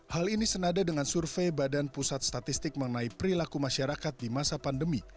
hal ini senada dengan survei badan pusat statistik mengenai perilaku masyarakat di masa pandemi